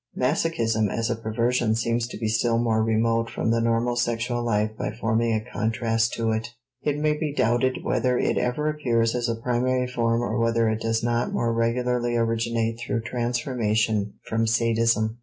Masochism as a perversion seems to be still more remote from the normal sexual life by forming a contrast to it; it may be doubted whether it ever appears as a primary form or whether it does not more regularly originate through transformation from sadism.